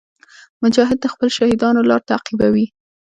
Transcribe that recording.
مجاهد د خپلو شهیدانو لار تعقیبوي.